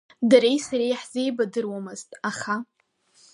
Дареи сареи ҳзеибадыруамызт, аха…